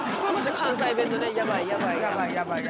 関西弁のね「やばいやばい」が。